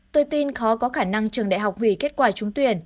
tôi tin khó có khả năng trường đại học hủy kết quả trúng tuyển